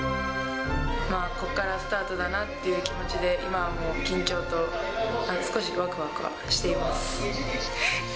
ここからスタートだなっていう気持ちで、今はもう、緊張と、少しわくわくはしています。